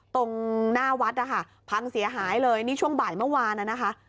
ตรงหน้าวัดนะคะพังเสียหายเลยนี่ช่วงบ่ายเมื่อวานน่ะนะคะ